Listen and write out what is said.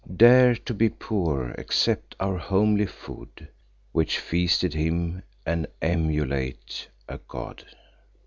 Dare to be poor; accept our homely food, Which feasted him, and emulate a god."